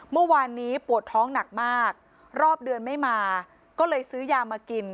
เมื่อวานนี้ปวดท้องหนักมากรอบเดือนไม่มาก็เลยซื้อยามากิน